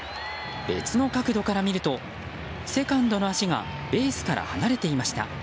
別の角度から見ると、セカンドの足がベースから離れていました。